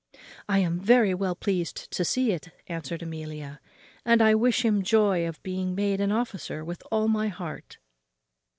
"I am very well pleased to see it," answered Amelia, "and I wish him joy of being made an officer with all my heart."